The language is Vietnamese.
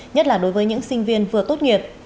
nhất là đối với những sinh viên vừa tốt nghiệp